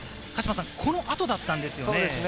この後だったんですよね。